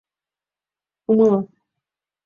Умыло.